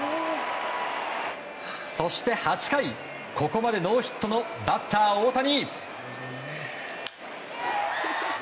そして８回、ここまでノーヒットのバッター大谷。